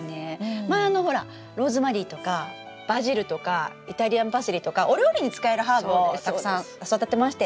前あのほらローズマリーとかバジルとかイタリアンパセリとかお料理に使えるハーブをたくさん育てましたよね。